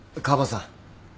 カバさん！